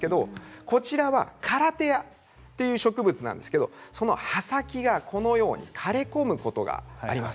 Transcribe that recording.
こちらはカラテアという植物なんですが葉先がこのように枯れ込むことがあります。